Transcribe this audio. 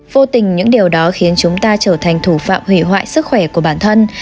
vô tình những điều đó khiến chúng ta trở thành thủ phạm hủy hoại sức khỏe của bản thân